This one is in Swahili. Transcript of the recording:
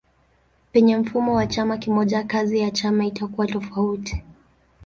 Penye mfumo wa chama kimoja kazi ya chama itakuwa tofauti.